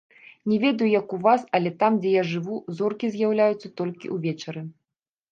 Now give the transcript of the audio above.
Не ведаю як у вас, але там дзе я жыву, зоркі з'яўляюцца толькі ўвечары.